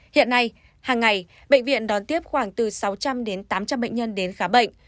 hiện nay hàng ngày bệnh viện đón tiếp khoảng từ sáu trăm linh đến tám trăm linh bệnh nhân đến khám bệnh